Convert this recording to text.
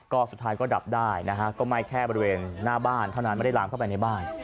ก็สุดท้ายก็ดับได้นะฮะก็ไหม้แค่บริเวณหน้าบ้านเท่านั้นไม่ได้ลามเข้าไปในบ้าน